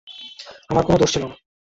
আমার কোনো দোষ ছিল না।